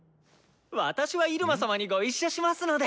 私は入間様にご一緒しますので！